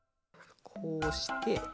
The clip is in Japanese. こうして。